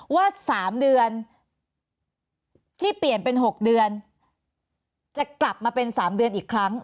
ว่า๓เดือนที่เปลี่ยนเป็น๖เดือนจะกลับมาเป็น๓เดือนอีกครั้ง